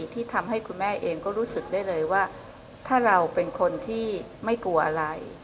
ที่ทำให้คุณแม่เองก็รู้สึกได้เลยว่าถ้าเราเป็นคนที่ไม่กลัวอะไร